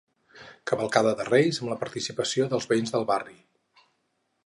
Cavalcada de reis amb la participació de veïns del barri.